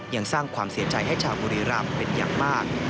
ยังสร้างความเสียใจให้ชาวบุรีรำเป็นอย่างมาก